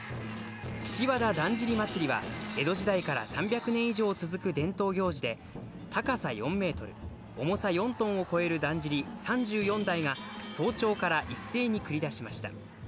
岸和田だんじり祭は、江戸時代から３００年以上続く伝統行事で、高さ４メートル、重さ４トンを超えるだんじり３４台が早朝から一斉に繰り出しました。